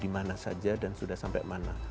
di mana saja dan sudah sampai mana